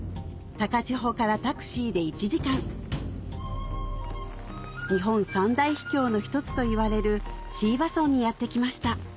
高千穂からタクシーで１時間日本三大秘境の一つといわれる椎葉村にやって来ました